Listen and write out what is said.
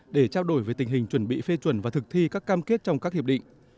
để trao đổi về tình hình chuẩn bị phê chuẩn và thực thi các cam kết trong các hiệp định